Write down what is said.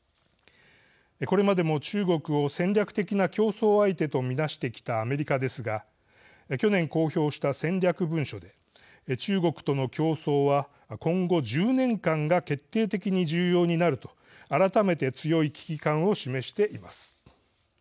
これまでも中国を戦略的な競争相手と見なしてきたアメリカですが去年公表した戦略文書で中国との競争は今後１０年間が決定的に重要になると改めて強い危機感を示しています。